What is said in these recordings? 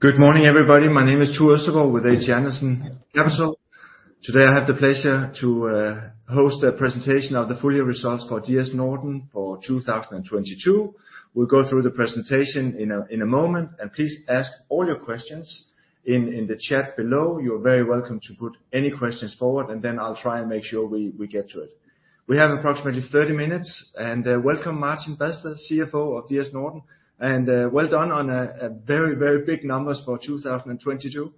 Good morning, everybody. My name is Tue Østergaard with HC Andersen Capital. Today, I have the pleasure to host a presentation of the full year results for DS Norden for 2022. We'll go through the presentation in a moment. Please ask all your questions in the chat below. You're very welcome to put any questions forward, and then I'll try and make sure we get to it. We have approximately 30 minutes. Welcome Martin Badsted, CFO of DS Norden, and well done on a very, very big numbers for 2022.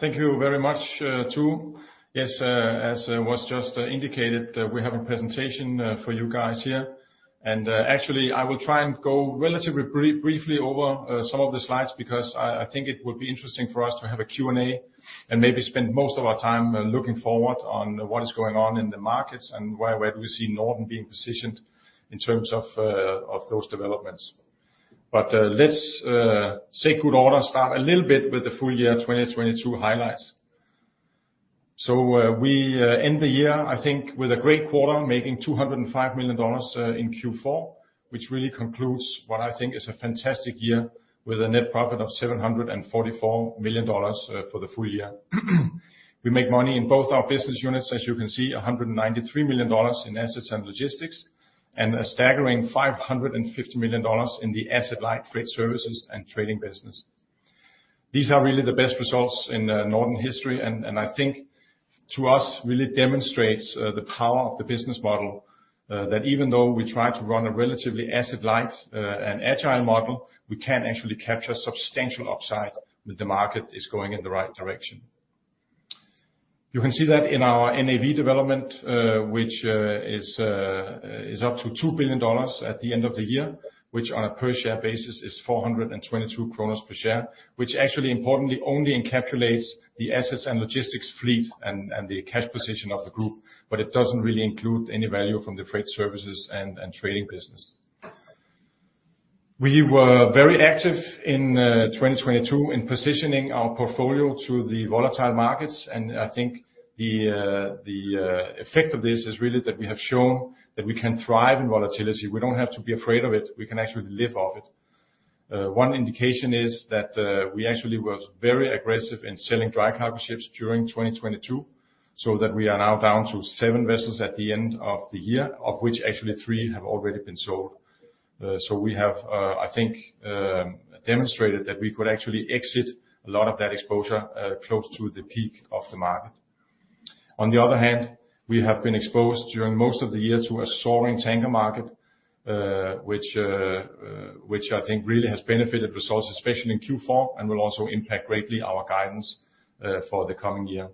Thank you very much, Tue. Yes, as was just indicated, we have a presentation for you guys here. Actually, I will try and go relatively briefly over some of the slides because I think it would be interesting for us to have a Q&A and maybe spend most of our time looking forward on what is going on in the markets and where do we see Norden being positioned in terms of those developments. Let's secure order, start a little bit with the full year 2022 highlights. We end the year, I think, with a great quarter, making $205 million in Q4, which really concludes what I think is a fantastic year with a net profit of $744 million for the full year. We make money in both our business units, as you can see, $193 million in Assets & Logistics, and a staggering $550 million in the asset-light Freight Services & Trading business. These are really the best results in Norden history, and I think to us really demonstrates the power of the business model, that even though we try to run a relatively asset-light and agile model, we can actually capture substantial upside when the market is going in the right direction. You can see that in our NAV development, which is up to $2 billion at the end of the year, which on a per share basis is 422 DKK per share, which actually importantly only encapsulates the Assets & Logistics fleet and the cash position of the group, but it doesn't really include any value from the Freight Services & Trading business. We were very active in 2022 in positioning our portfolio through the volatile markets. I think the effect of this is really that we have shown that we can thrive in volatility. We don't have to be afraid of it. We can actually live off it. One indication is that we actually was very aggressive in selling dry cargo ships during 2022, so that we are now down to 7 vessels at the end of the year, of which actually 3 have already been sold. So we have, I think, demonstrated that we could actually exit a lot of that exposure close to the peak of the market. On the other hand, we have been exposed during most of the year to a soaring tanker market, which I think really has benefited results, especially in Q4, and will also impact greatly our guidance for the coming year.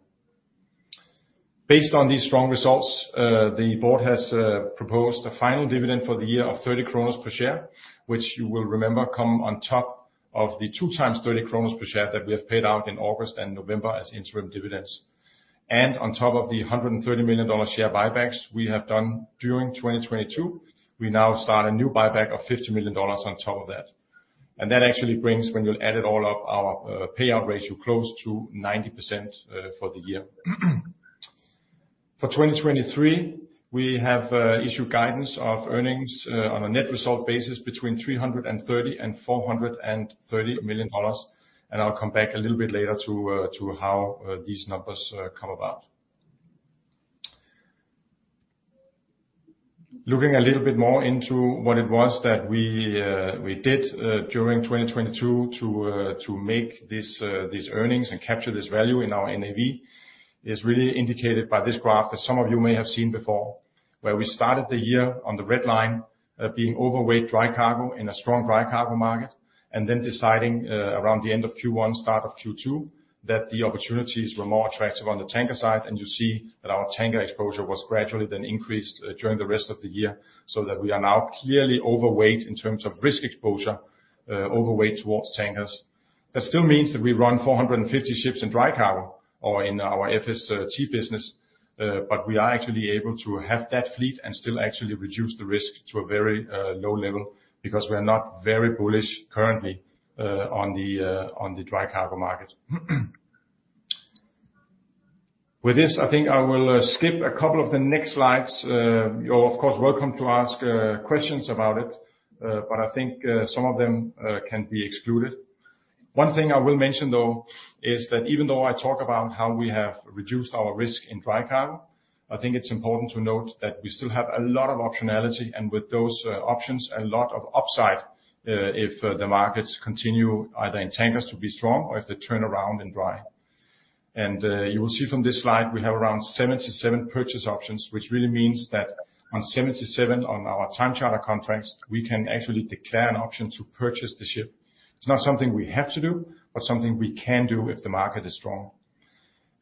Based on these strong results, the board has proposed a final dividend for the year of 30 per share, which you will remember come on top of the 2 times 30 per share that we have paid out in August and November as interim dividends. On top of the $130 million share buybacks we have done during 2022, we now start a new buyback of $50 million on top of that. That actually brings, when you add it all up, our payout ratio close to 90% for the year. For 2023, we have issued guidance of earnings on a net result basis between $330 million and $430 million, and I'll come back a little bit later to how these numbers come about. Looking a little bit more into what it was that we did during 2022 to make this, these earnings and capture this value in our NAV is really indicated by this graph that some of you may have seen before, where we started the year on the red line, being overweight dry cargo in a strong dry cargo market, and then deciding around the end of Q1, start of Q2, that the opportunities were more attractive on the tanker side. You see that our tanker exposure was gradually then increased during the rest of the year, so that we are now clearly overweight in terms of risk exposure, overweight towards tankers. That still means that we run 450 ships in dry cargo or in our FST business. We are actually able to have that fleet and still actually reduce the risk to a very low level because we're not very bullish currently on the dry cargo market. With this, I think I will skip a couple of the next slides. You're of course, welcome to ask questions about it. I think some of them can be excluded. One thing I will mention, though, is that even though I talk about how we have reduced our risk in dry cargo, I think it's important to note that we still have a lot of optionality and with those, options, a lot of upside, if the markets continue either in tankers to be strong or if they turn around in dry. You will see from this slide, we have around 77 purchase options, which really means that on 77 on our time charter contracts, we can actually declare an option to purchase the ship. It's not something we have to do, but something we can do if the market is strong.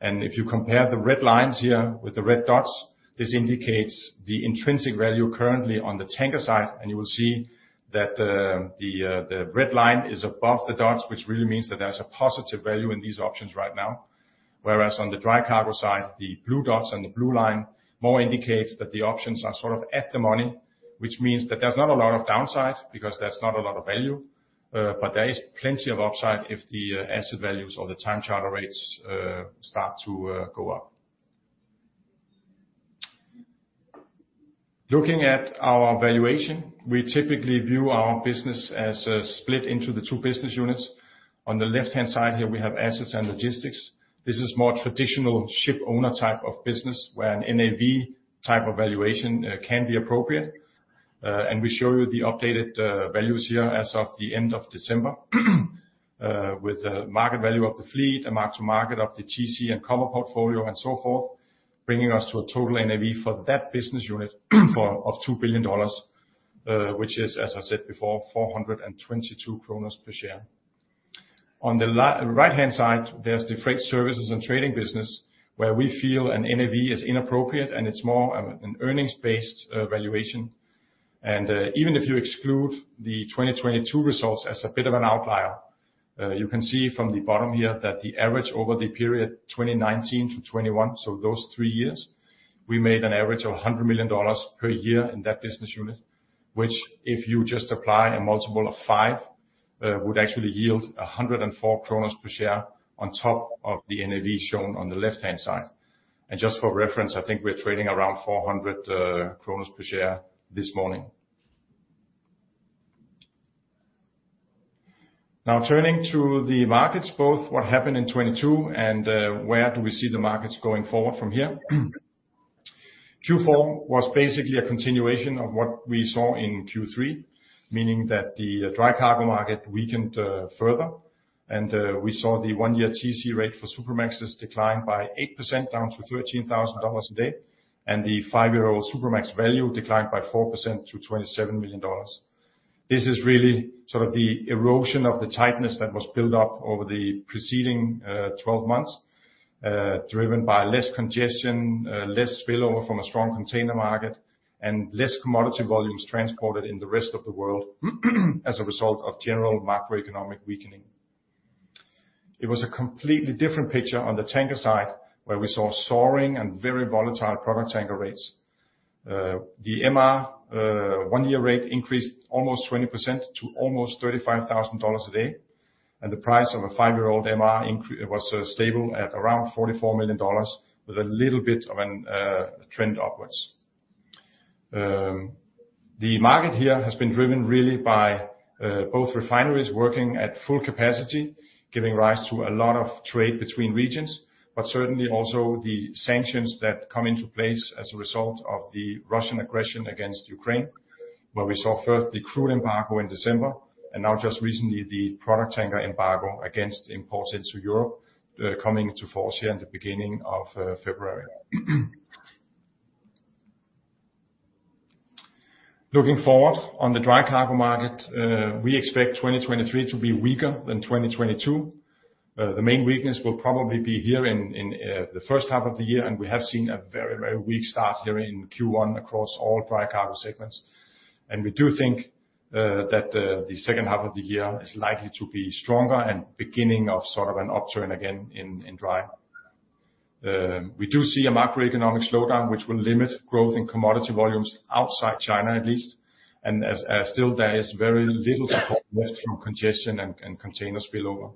If you compare the red lines here with the red dots, this indicates the intrinsic value currently on the tanker side, you will see that the red line is above the dots, which really means that there's a positive value in these options right now. Whereas on the dry cargo side, the blue dots and the blue line more indicates that the options are sort of at the money, which means that there's not a lot of downside because that's not a lot of value, but there is plenty of upside if the asset values or the time charter rates start to go up. Looking at our valuation, we typically view our business as split into the two business units. On the left-hand side here, we have Assets & Logistics. This is more traditional ship owner type of business, where an NAV type of valuation can be appropriate. And we show you the updated values here as of the end of December, with the market value of the fleet and mark to market of the TC and cover portfolio and so forth, bringing us to a total NAV for that business unit of $2 billion, which is, as I said before, 422 kroner per share. On the right-hand side, there's the Freight Services & Trading business, where we feel an NAV is inappropriate, and it's more of an earnings-based valuation. Even if you exclude the 2022 results as a bit of an outlier, you can see from the bottom here that the average over the period 2019-2021, so those three years, we made an average of $100 million per year in that business unit, which if you just apply a multiple of five, would actually yield 104 per share on top of the NAV shown on the left-hand side. Just for reference, I think we're trading around 400 per share this morning. Turning to the markets, both what happened in 2022 and where do we see the markets going forward from here. Q4 was basically a continuation of what we saw in Q3, meaning that the dry cargo market weakened further. We saw the one-year TC rate for Supramaxes decline by 8% down to $13,000 a day, and the 5 year-old Supramax value declined by 4% to $27 million. This is really sort of the erosion of the tightness that was built up over the preceding 12 months, driven by less congestion, less spillover from a strong container market, and less commodity volumes transported in the rest of the world as a result of general macroeconomic weakening. It was a completely different picture on the tanker side, where we saw soaring and very volatile product tanker rates. The MR one-year rate increased almost 20% to almost $35,000 a day, and the price of a 5 year-old MR was stable at around $44 million with a little bit of an trend upwards. The market here has been driven really by both refineries working at full capacity, giving rise to a lot of trade between regions, but certainly also the sanctions that come into place as a result of the Russian aggression against Ukraine, where we saw first the crude embargo in December, and now just recently the product tanker embargo against imports into Europe, coming into force here in the beginning of February. Looking forward on the dry cargo market, we expect 2023 to be weaker than 2022. The main weakness will probably be here in the first half of the year, and we have seen a very, very weak start here in Q1 across all dry cargo segments. We do think that the second half of the year is likely to be stronger and beginning of sort of an upturn again in dry. We do see a macroeconomic slowdown which will limit growth in commodity volumes outside China at least. As still there is very little support left from congestion and container spillover.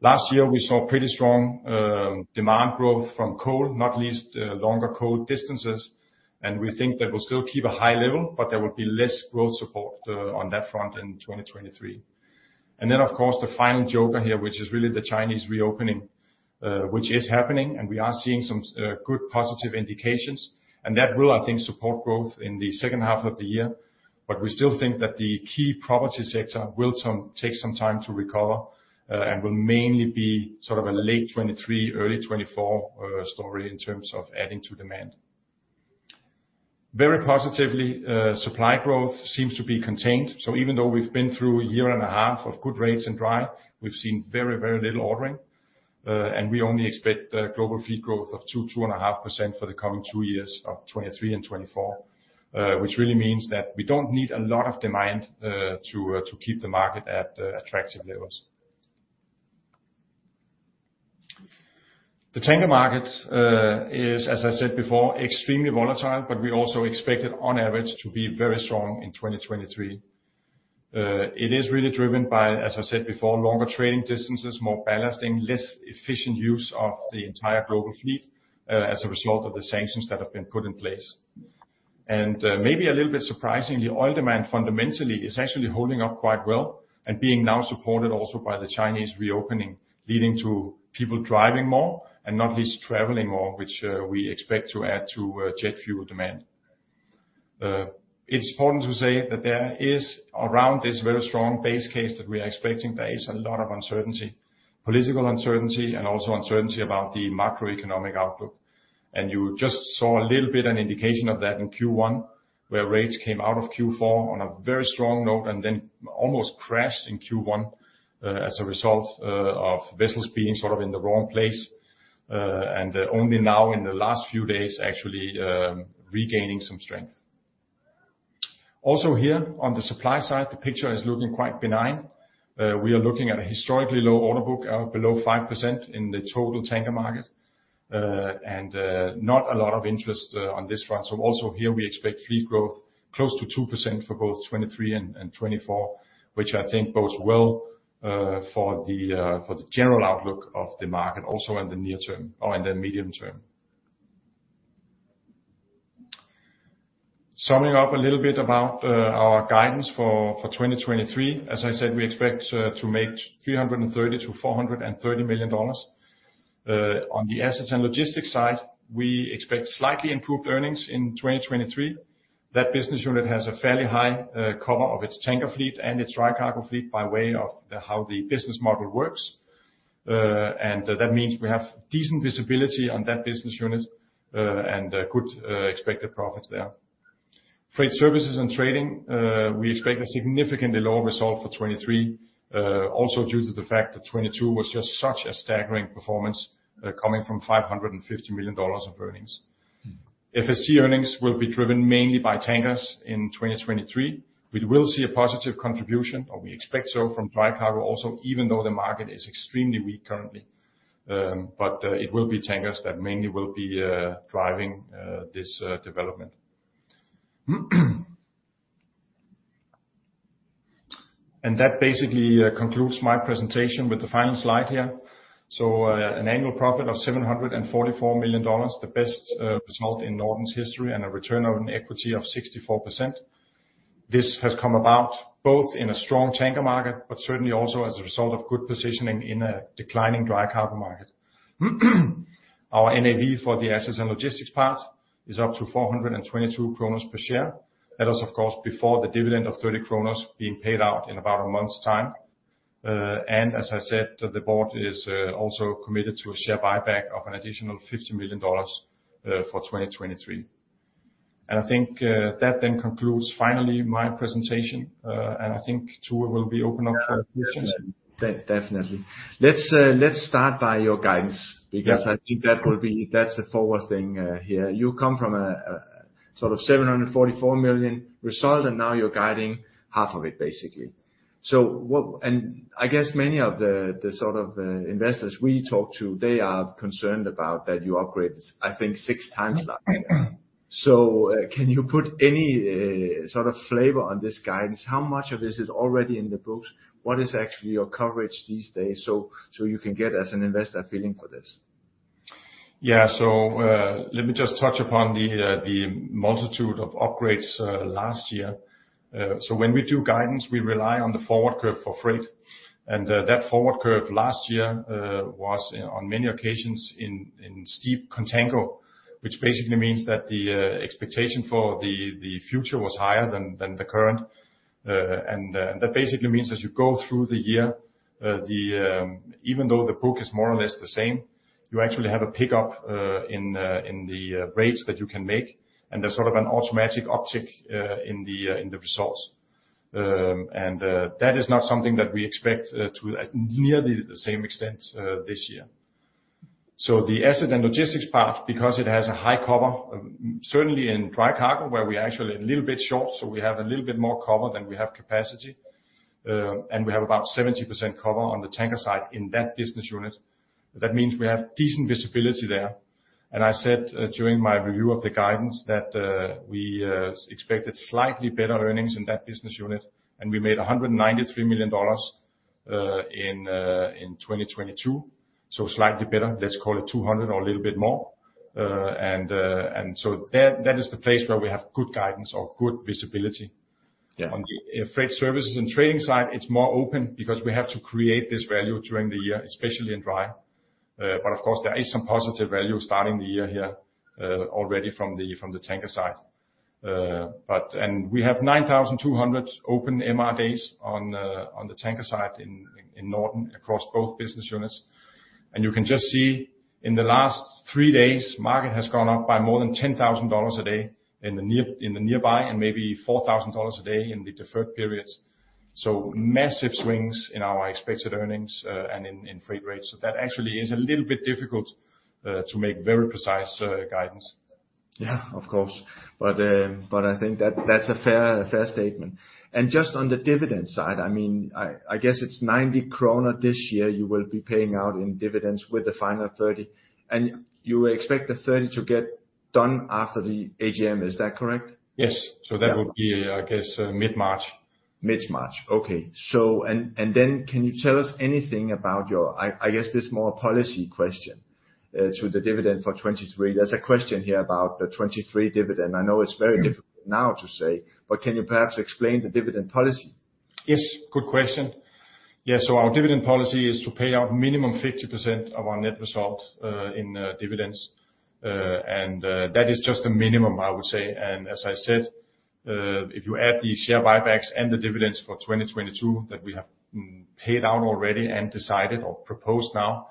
Last year, we saw pretty strong demand growth from coal, not least longer coal distances, and we think that will still keep a high level, but there will be less growth support on that front in 2023. Of course, the final joker here, which is really the Chinese reopening, which is happening, and we are seeing some good positive indications, and that will, I think, support growth in the second half of the year. We still think that the key property sector will take some time to recover, and will mainly be sort of a late 2023, early 2024 story in terms of adding to demand. Very positively, supply growth seems to be contained. Even though we've been through a year and a half of good rates in dry, we've seen very little ordering. And we only expect global fleet growth of 2-2.5% for the coming 2 years of 2023 and 2024, which really means that we don't need a lot of demand to keep the market at attractive levels. The tanker market is, as I said before, extremely volatile, but we also expect it on average to be very strong in 2023. It is really driven by, as I said before, longer trading distances, more ballasting, less efficient use of the entire global fleet, as a result of the sanctions that have been put in place. Maybe a little bit surprisingly, oil demand fundamentally is actually holding up quite well and being now supported also by the Chinese reopening, leading to people driving more and not least traveling more, which we expect to add to jet fuel demand. It's important to say that there is around this very strong base case that we are expecting, there is a lot of uncertainty, political uncertainty and also uncertainty about the macroeconomic outlook. You just saw a little bit an indication of that in Q1, where rates came out of Q4 on a very strong note and then almost crashed in Q1, as a result of vessels being sort of in the wrong place, and only now in the last few days actually, regaining some strength. Here on the supply side, the picture is looking quite benign. We are looking at a historically low order book, below 5% in the total tanker market, and not a lot of interest, on this front. Also here we expect fleet growth close to 2% for both 2023 and 2024, which I think bodes well for the general outlook of the market also in the near term or in the medium term. Summing up a little bit about our guidance for 2023. As I said, we expect to make $330 million-$430 million. On the Assets & Logistics side, we expect slightly improved earnings in 2023. That business unit has a fairly high cover of its tanker fleet and its dry cargo fleet by way of how the business model works. And that means we have decent visibility on that business unit and good expected profits there. Freight Services & Trading, we expect a significantly lower result for 2023, also due to the fact that 2022 was just such a staggering performance, coming from $550 million of earnings. FST earnings will be driven mainly by tankers in 2023. We will see a positive contribution, or we expect so, from dry cargo also, even though the market is extremely weak currently. It will be tankers that mainly will be driving this development. That basically concludes my presentation with the final slide here. An annual profit of $744 million, the best result in Norden's history, and a return on equity of 64%. This has come about both in a strong tanker market, but certainly also as a result of good positioning in a declining dry cargo market. Our NAV for the Assets & Logistics part is up to 422 kroner per share. That is, of course, before the dividend of 30 kroner being paid out in about a month's time. As I said, the board is also committed to a share buyback of an additional $50 million for 2023. I think that then concludes finally my presentation, and I think, Tue, we'll be open up for questions. Yeah, definitely. Definitely. Let's start by your guidance... Yeah. because I think that will be, that's the forward thing here. You come from a sort of $744 million result, and now you're guiding half of it, basically. What? I guess many of the sort of investors we talk to, they are concerned about that you upgraded, I think, six times last year. Can you put any sort of flavor on this guidance? How much of this is already in the books? What is actually your coverage these days, so you can get, as an investor, a feeling for this? Yeah. Let me just touch upon the multitude of upgrades last year. When we do guidance, we rely on the forward curve for freight. That forward curve last year was on many occasions in steep contango, which basically means that the expectation for the future was higher than the current. That basically means as you go through the year, even though the book is more or less the same, you actually have a pickup in the rates that you can make, and there's sort of an automatic uptick in the results. That is not something that we expect to nearly the same extent this year. The Assets & Logistics part, because it has a high cover, certainly in dry cargo, where we're actually a little bit short, so we have a little bit more cover than we have capacity, and we have about 70% cover on the tanker side in that business unit. That means we have decent visibility there. I said during my review of the guidance that we expected slightly better earnings in that business unit, and we made $193 million in 2022. Slightly better, let's call it 200 or a little bit more. That is the place where we have good guidance or good visibility. Yeah. On the Freight Services & Trading side, it's more open because we have to create this value during the year, especially in dry. Of course, there is some positive value starting the year here, already from the tanker side. We have 9,200 open MR days on the tanker side in Norden across both business units. You can just see in the last 3 days, market has gone up by more than $10,000 a day in the near, in the nearby, and maybe $4,000 a day in the deferred periods. Massive swings in our expected earnings, and in freight rates. That actually is a little bit difficult to make very precise guidance. Yeah, of course. I think that's a fair statement. Just on the dividend side, I mean, I guess it's 90 kroner this year you will be paying out in dividends with the final 30. You expect the 30 to get done after the AGM, is that correct? Yes. Yeah. That would be, I guess, mid-March. Mid-March, okay. Can you tell us anything about your, I guess this more policy question, to the dividend for 23. There's a question here about the 23 dividend. I know it's very difficult now to say, but can you perhaps explain the dividend policy? Yes, good question. Yeah. Our dividend policy is to pay out minimum 50% of our net result in dividends. That is just a minimum, I would say. As I said, if you add the share buybacks and the dividends for 2022 that we have paid out already and decided or proposed now,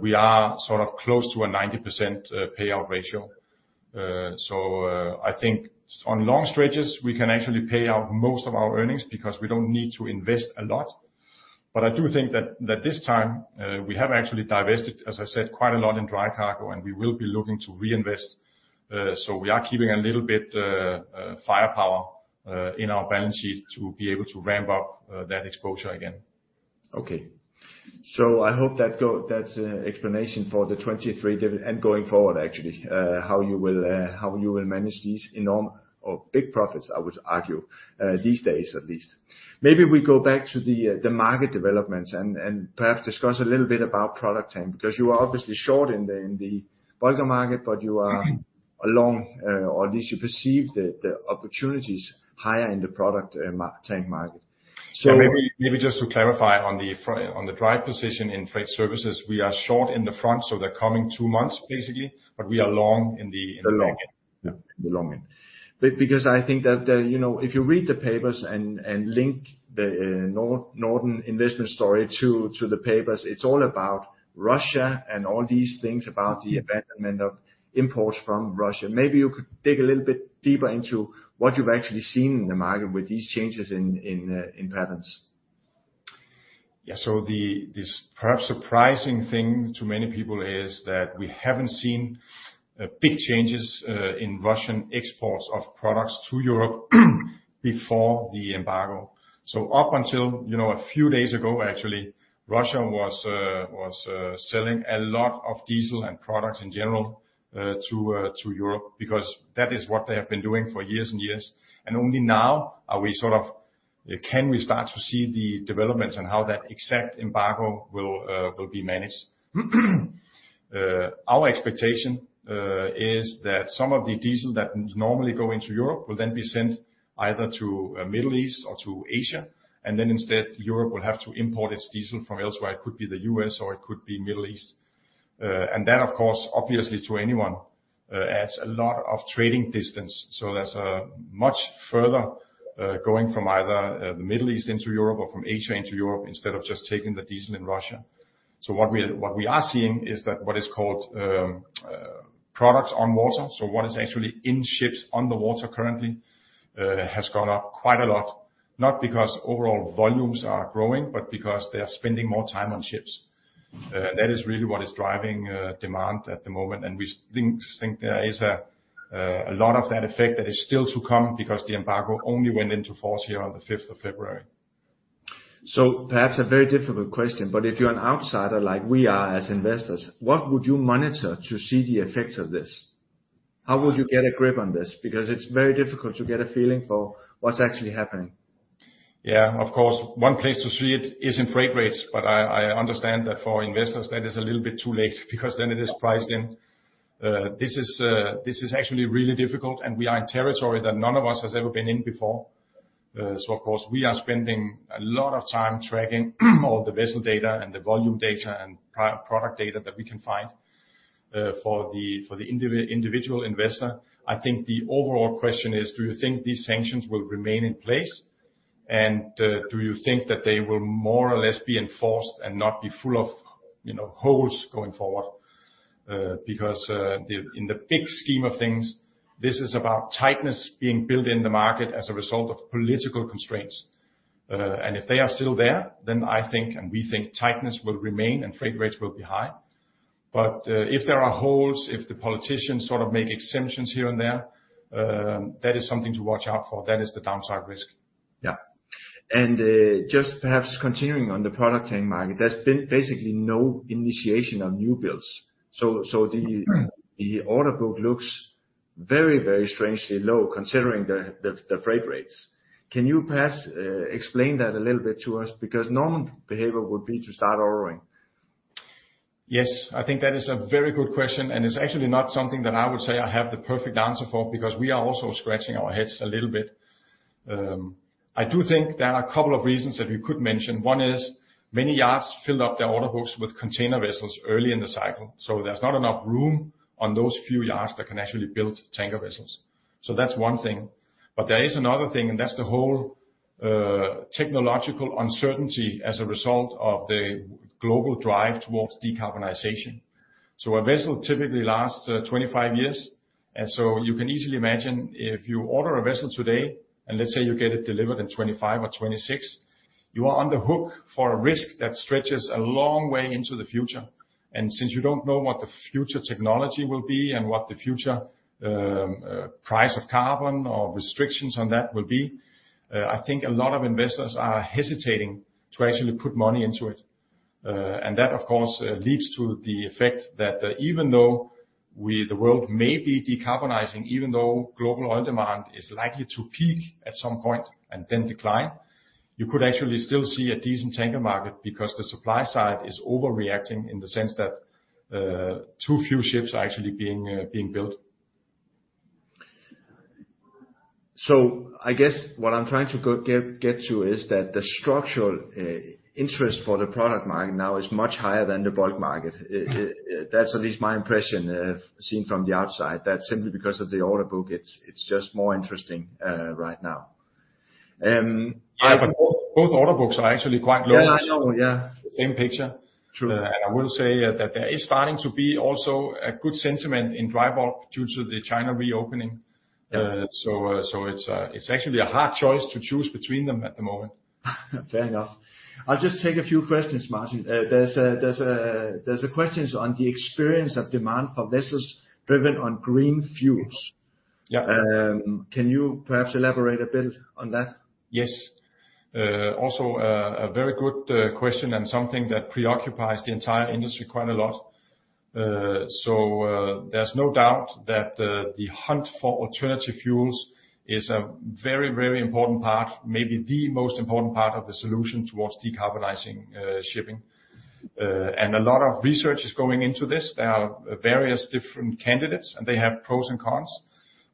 we are sort of close to a 90% payout ratio. I think on long stretches, we can actually pay out most of our earnings because we don't need to invest a lot. I do think that this time, we have actually divested, as I said, quite a lot in dry cargo, and we will be looking to reinvest. We are keeping a little bit firepower in our balance sheet to be able to ramp up that exposure again. Okay. I hope that that's an explanation for the 23 dividend and going forward actually, how you will, how you will manage these or big profits, I would argue, these days at least. Maybe we go back to the market developments and perhaps discuss a little bit about product tanker, because you are obviously short in the bulker market, but you are along, or at least you perceive the opportunities higher in the product tanker market. Maybe, just to clarify on the dry position in Freight Services, we are short in the front, so the coming 2 months basically, but we are long in the back end The long end. Because I think that, you know, if you read the papers and link the Norden investment story to the papers, it's all about Russia and all these things about the abandonment of imports from Russia. Maybe you could dig a little bit deeper into what you've actually seen in the market with these changes in patterns. The, this perhaps surprising thing to many people is that we haven't seen big changes in Russian exports of products to Europe before the embargo. Up until, you know, a few days ago, actually, Russia was selling a lot of diesel and products in general to Europe because that is what they have been doing for years and years. Only now are we sort of can we start to see the developments and how that exact embargo will be managed. Our expectation is that some of the diesel that normally go into Europe will then be sent either to Middle East or to Asia, and then instead, Europe will have to import its diesel from elsewhere. It could be the U.S. or it could be Middle East. That of course, obviously to anyone, adds a lot of trading distance. That's a much further, going from either, Middle East into Europe or from Asia into Europe instead of just taking the diesel in Russia. What we are seeing is that what is called, products on water, so what is actually in ships on the water currently, has gone up quite a lot. Not because overall volumes are growing, but because they are spending more time on ships. That is really what is driving demand at the moment, and we think there is a lot of that effect that is still to come because the embargo only went into force here on the 5th of February. Perhaps a very difficult question, but if you're an outsider like we are as investors, what would you monitor to see the effects of this? How would you get a grip on this? Because it's very difficult to get a feeling for what's actually happening. Of course, one place to see it is in freight rates, but I understand that for investors that is a little bit too late because then it is priced in. This is actually really difficult, and we are in territory that none of us has ever been in before. So of course, we are spending a lot of time tracking all the vessel data and the volume data and product data that we can find. For the individual investor, I think the overall question is, do you think these sanctions will remain in place? Do you think that they will more or less be enforced and not be full of, you know, holes going forward? Because, the, in the big scheme of things, this is about tightness being built in the market as a result of political constraints. If they are still there, then I think, and we think tightness will remain and freight rates will be high. If there are holes, if the politicians sort of make exemptions here and there, that is something to watch out for. That is the downside risk. Yeah. Just perhaps continuing on the product tanker market, there's been basically no initiation of newbuildings. The order book looks very strangely low considering the freight rates. Can you perhaps explain that a little bit to us? Because normal behavior would be to start ordering. Yes. I think that is a very good question, and it's actually not something that I would say I have the perfect answer for because we are also scratching our heads a little bit. I do think there are a couple of reasons that we could mention. One is many yards filled up their order books with container vessels early in the cycle. There's not enough room on those few yards that can actually build tanker vessels. There is another thing, and that's the whole technological uncertainty as a result of the global drive towards decarbonization. A vessel typically lasts, 25 years, and so you can easily imagine if you order a vessel today, and let's say you get it delivered in 25 or 26, you are on the hook for a risk that stretches a long way into the future. Since you don't know what the future technology will be and what the future, price of carbon or restrictions on that will be, I think a lot of investors are hesitating to actually put money into it. That of course, leads to the effect that even though we, the world may be decarbonizing, even though global oil demand is likely to peak at some point and then decline, you could actually still see a decent tanker market because the supply side is overreacting in the sense that too few ships are actually being built. I guess what I'm trying to get to is that the structural interest for the product market now is much higher than the bulk market. Yeah. That's at least my impression, seen from the outside. That's simply because of the order book. It's just more interesting, right now. Yeah. Both order books are actually quite low. Yeah. I know, yeah. Same picture. True. I will say that there is starting to be also a good sentiment in dry bulk due to the China reopening. Yeah. It's actually a hard choice to choose between them at the moment. Fair enough. I'll just take a few questions, Martin. There's a question on the experience of demand for vessels driven on green fuels. Yeah. Can you perhaps elaborate a bit on that? Yes. Also a very good question and something that preoccupies the entire industry quite a lot. There's no doubt that the hunt for alternative fuels is a very, very important part, maybe the most important part of the solution towards decarbonizing shipping. A lot of research is going into this. There are various different candidates, and they have pros and cons.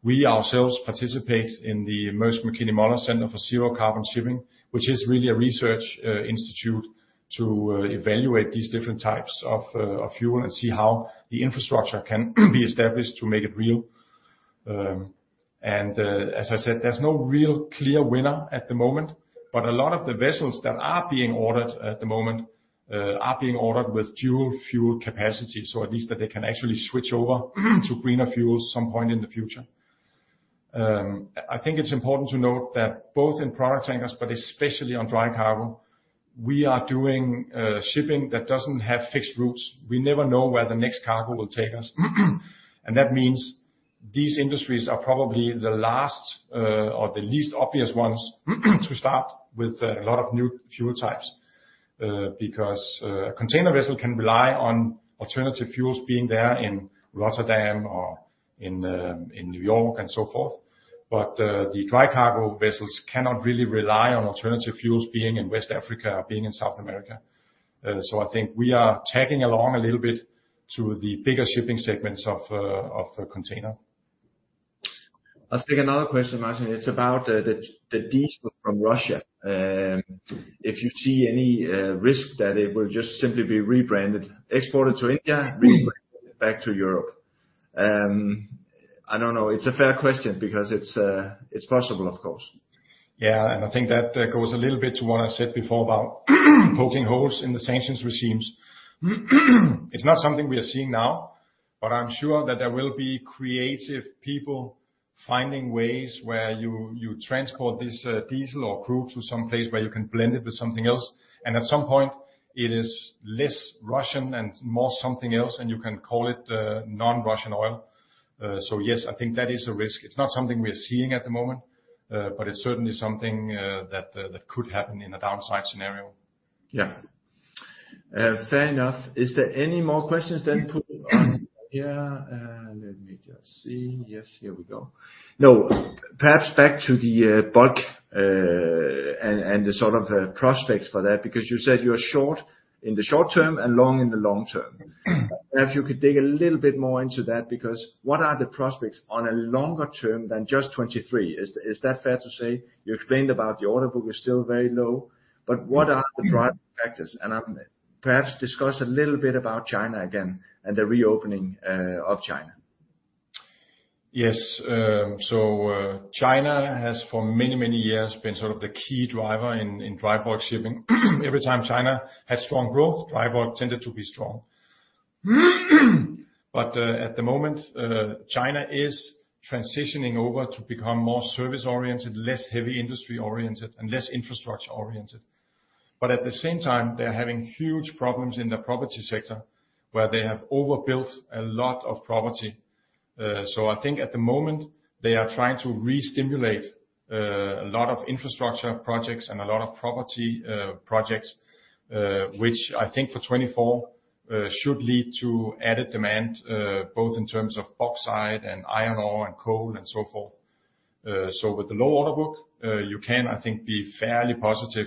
We ourselves participate in the Mærsk Mc-Kinney Møller Center for Zero Carbon Shipping, which is really a research institute to evaluate these different types of fuel and see how the infrastructure can be established to make it real. As I said, there's no real clear winner at the moment, but a lot of the vessels that are being ordered at the moment are being ordered with dual fuel capacity, so at least that they can actually switch over to greener fuels some point in the future. I think it's important to note that both in product tankers, but especially on dry cargo, we are doing shipping that doesn't have fixed routes. We never know where the next cargo will take us. That means these industries are probably the last, or the least obvious ones to start with a lot of new fuel types. Because a container vessel can rely on alternative fuels being there in Rotterdam or in New York and so forth. The dry cargo vessels cannot really rely on alternative fuels being in West Africa or being in South America. I think we are tagging along a little bit to the bigger shipping segments of container. I'll take another question, Martin. It's about the diesel from Russia. If you see any risk that it will just simply be rebranded, exported to India, rebranded back to Europe? I don't know. It's a fair question because it's possible, of course. Yeah. I think that goes a little bit to what I said before about poking holes in the sanctions regimes. It's not something we are seeing now, but I'm sure that there will be creative people finding ways where you transport this diesel or crude to some place where you can blend it with something else. At some point, it is less Russian and more something else, and you can call it non-Russian oil. Yes, I think that is a risk. It's not something we are seeing at the moment, but it's certainly something that could happen in a downside scenario. Yeah. Fair enough. Is there any more questions then put on here? Let me just see. Yes, here we go. No, perhaps back to the bulk, and the sort of prospects for that, because you said you are short in the short term and long in the long term. Perhaps you could dig a little bit more into that because what are the prospects on a longer term than just 23? Is that fair to say? You explained about the order book is still very low, but what are the driving factors? Perhaps discuss a little bit about China again and the reopening of China. China has for many, many years been sort of the key driver in dry bulk shipping. Every time China had strong growth, dry bulk tended to be strong. At the moment, China is transitioning over to become more service-oriented, less heavy industry-oriented, and less infrastructure-oriented. At the same time, they're having huge problems in the property sector, where they have overbuilt a lot of property. I think at the moment, they are trying to re-stimulate a lot of infrastructure projects and a lot of property projects, which I think for 2024 should lead to added demand both in terms of bauxite and iron ore and coal and so forth. With the low order book, you can, I think, be fairly positive,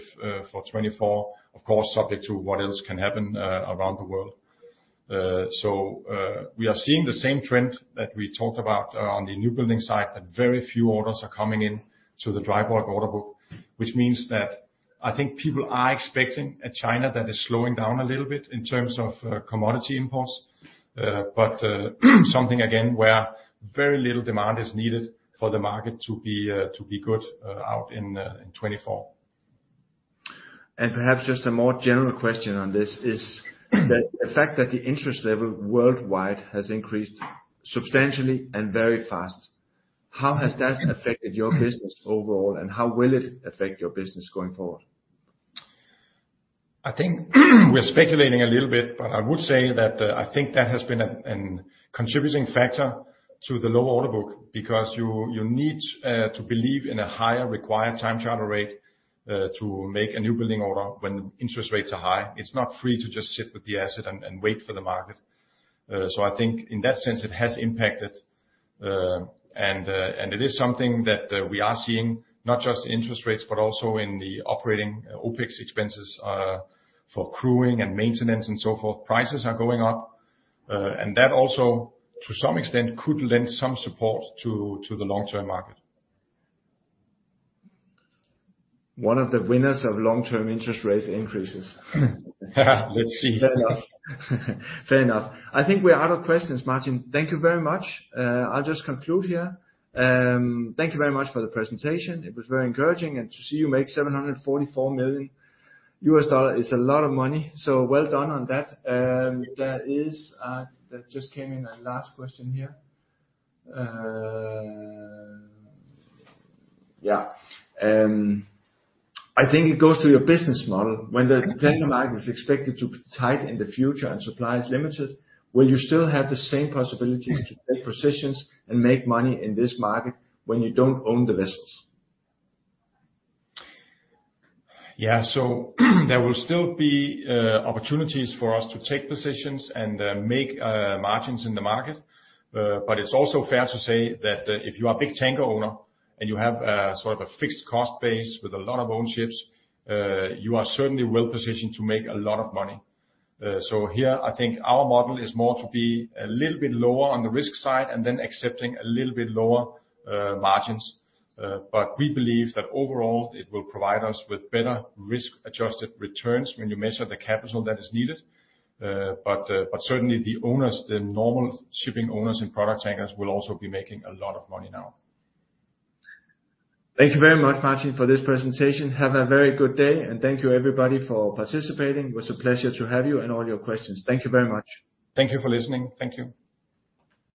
for 2024, of course, subject to what else can happen, around the world. We are seeing the same trend that we talked about, on the newbuilding side, that very few orders are coming in to the dry bulk order book, which means that I think people are expecting a China that is slowing down a little bit in terms of, commodity imports. Something again where very little demand is needed for the market to be, to be good, out in 2024. Perhaps just a more general question on this is that the fact that the interest level worldwide has increased substantially and very fast, how has that affected your business overall, and how will it affect your business going forward? I think we're speculating a little bit, but I would say that, I think that has been a contributing factor to the low order book because you need to believe in a higher required time charter rate to make a newbuilding order when interest rates are high. It's not free to just sit with the asset and wait for the market. I think in that sense, it has impacted. It is something that we are seeing, not just interest rates, but also in the operating OpEx expenses, for crewing and maintenance and so forth. Prices are going up. That also, to some extent, could lend some support to the long-term market. One of the winners of long-term interest rates increases. Let's see. Fair enough. Fair enough. I think we are out of questions, Martin. Thank you very much. I'll just conclude here. Thank you very much for the presentation. It was very encouraging. To see you make $744 million is a lot of money, so well done on that. There is, that just came in, a last question here. Yeah. I think it goes to your business model. When the tanker market is expected to be tight in the future and supply is limited, will you still have the same possibility to take positions and make money in this market when you don't own the vessels? There will still be opportunities for us to take positions and make margins in the market. It's also fair to say that if you are a big tanker owner and you have a sort of a fixed cost base with a lot of own ships, you are certainly well-positioned to make a lot of money. Here I think our model is more to be a little bit lower on the risk side and then accepting a little bit lower margins. We believe that overall it will provide us with better risk-adjusted returns when you measure the capital that is needed. Certainly the owners, the normal shipping owners and product tankers will also be making a lot of money now. Thank you very much, Martin, for this presentation. Have a very good day. Thank you everybody for participating. It was a pleasure to have you and all your questions. Thank you very much. Thank you for listening. Thank you.